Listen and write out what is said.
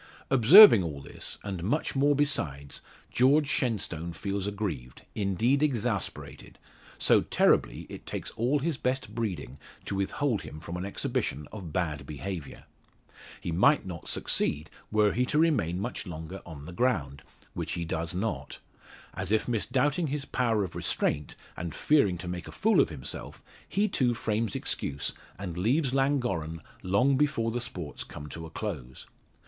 Observing all this, and much more besides, George Shenstone feels aggrieved indeed exasperated so terribly, it takes all his best breeding to withhold him from an exhibition of bad behaviour. He might not succeed were he to remain much longer on the ground which he does not. As if misdoubting his power of restraint, and fearing to make a fool of himself, he too frames excuse, and leaves Llangorren long before the sports come to a close.